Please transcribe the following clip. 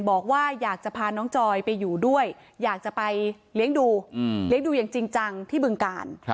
บอกว่าอยากจะพาน้องจอยไปอยู่ด้วยอยากจะไปเลี้ยงดูเลี้ยงดูอย่างจริงจังที่บึงกาล